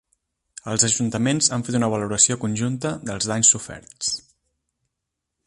Els ajuntaments han fet una valoració conjunta dels danys soferts.